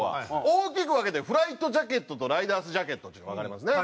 大きく分けてフライトジャケットとライダースジャケットっちゅうのに分かれますね。